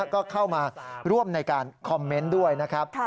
ก็เข้ามาร่วมในการคอมเมนต์ด้วยนะครับ